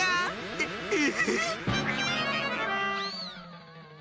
ええ。